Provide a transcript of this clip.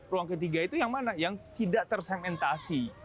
ruang ketiga itu yang mana yang tidak tersegmentasi